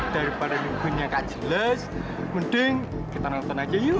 daripada nungguin yang tak jelas mending kita nonton aja yuk